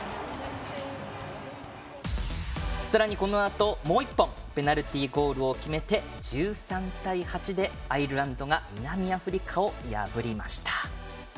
さらに、このあともう１本ペナルティゴールを決めて１３対８でアイルランドが南アフリカを破りました。